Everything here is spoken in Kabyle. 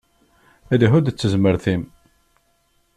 Lhu-d d tezmert-im.